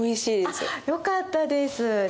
あっよかったです。